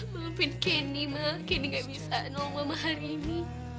ma kenapa ini kenapa aku nggak bisa nongol hari ini